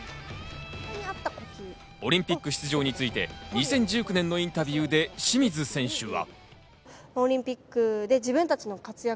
オリンピック出場について２０１９年のインタビューで清水選手は。